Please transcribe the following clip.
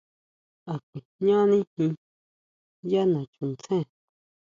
¿A kuijñani ji yá nachuntsén?